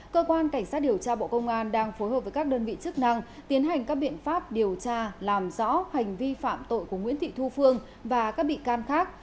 cơ quan cảnh sát điều tra bộ công an đang phối hợp với các đơn vị chức năng tiến hành các biện pháp điều tra làm rõ hành vi phạm tội của nguyễn thị thu phương và các bị can khác